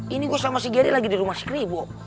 ini gue sama si geri lagi di rumah si keribo